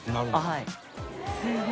はい。